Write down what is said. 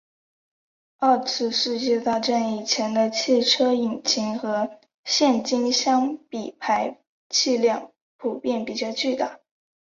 二次世界大战以前的汽车引擎和现今相比排气量普遍比较巨大。